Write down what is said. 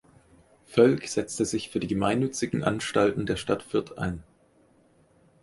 Völk setzte sich für die gemeinnützigen Anstalten der Stadt Fürth ein.